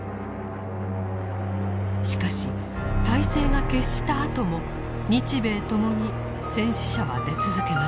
しかし大勢が決したあとも日米ともに戦死者は出続けました。